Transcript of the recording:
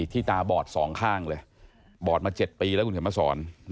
ที่ตาบอดสองข้างเลยบอดมา๗ปีแล้วคุณธรรมสร